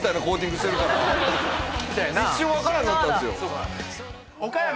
一瞬分からなかったんすよ。